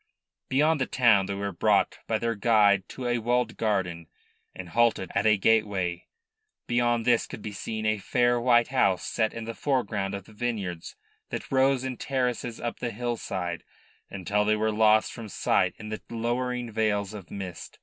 Beyond the town they were brought by their guide to a walled garden, and halted at a gateway. Beyond this could be seen a fair white house set in the foreground of the vineyards that rose in terraces up the hillside until they were lost from sight in the lowering veils of mist.